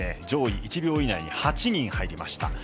上位１秒以内８人入りました。